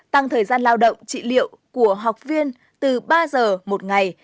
tăng thời gian lao động trị liệu của học viên từ ba giờ một ngày